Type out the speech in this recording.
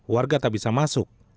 warga tak bisa masuk